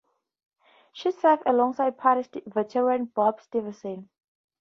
She serves alongside party veteran Bobby Stevenson.